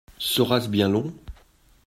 Sera-ce bien long ?